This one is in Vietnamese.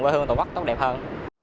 với hương tổ quốc tốt đẹp hơn